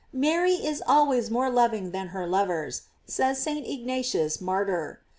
"Mary is always more loving than her lovers,"says St. Ignatius, martyr.